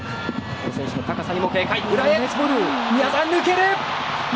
この選手の高さにも警戒。